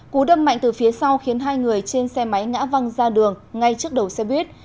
cú đâm mạnh từ phía sau khiến hai người trên xe máy ngã văng ra đường ngay trước đầu xe buýt